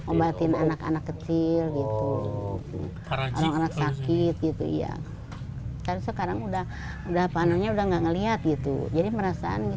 obat tidakan kecil gitu para cipun sakitvero jadi merasaan itu lebih udah enggak kuat ya gak kuat jadi kelihatannya